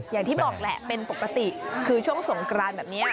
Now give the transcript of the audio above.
อย่างที่บอกแหละเป็นปกติคือช่วงสงกรานแบบนี้